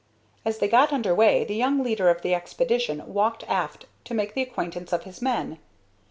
As they got under way the young leader of the expedition walked aft to make the acquaintance of his men.